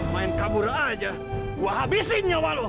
main kabur aja gue habisin nyawa lu